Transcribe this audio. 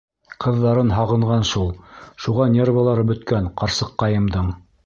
Ҡыҙҙарын һағынған ул. Шуға нервылары бөткән ҡарсыҡҡайымдың!